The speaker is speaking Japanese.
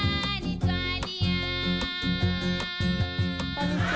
こんにちは。